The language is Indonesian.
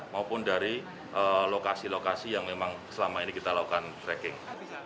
maupun dari lokasi lokasi yang memang selama ini kita lakukan tracking